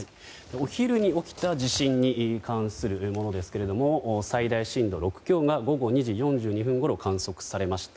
お昼に起きた地震に関するものですが最大震度６強が午後２時４２分ごろ観測されました。